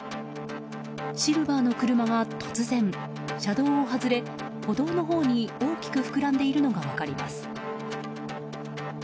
シルバーの車が突然、車道を外れ歩道のほうに、大きく膨らんでいるのが分かります。